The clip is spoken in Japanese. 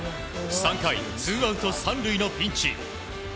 ３回、ツーアウト３塁のピンチ。